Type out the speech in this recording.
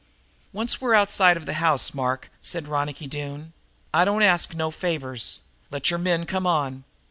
"Once we're outside of the house, Mark," said Ronicky Doone, "I don't ask no favors. Let your men come on.